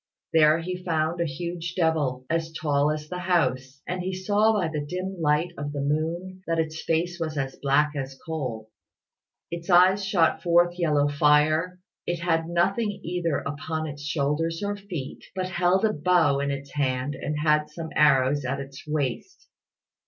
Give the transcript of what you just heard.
There he found a huge devil, as tall as the house, and he saw by the dim light of the moon that its face was as black as coal. Its eyes shot forth yellow fire: it had nothing either upon its shoulders or feet; but held a bow in its hand and had some arrows at its waist.